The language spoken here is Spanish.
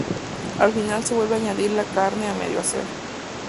Al final se vuelve a añadir la carne a medio hacer.